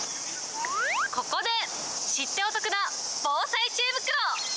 ここで知ってお得な防災知恵袋。